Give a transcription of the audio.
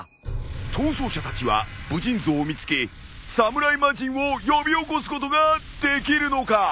逃走者たちは武人像を見つけ侍魔人を呼び起こすことができるのか！？